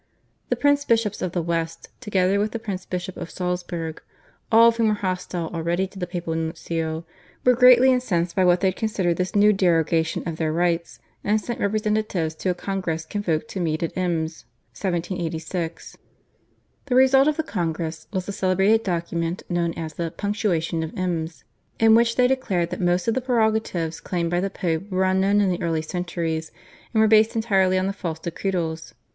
The prince bishops of the west, together with the Prince bishop of Salzburg, all of whom were hostile already to the papal nuncio, were greatly incensed by what they considered this new derogation of their rights, and sent representatives to a congress convoked to meet at Ems (1786). The result of the congress was the celebrated document known as the /Punctuation of Ems/, in which they declared that most of the prerogatives claimed by the Pope were unknown in the early centuries, and were based entirely on the false decretals.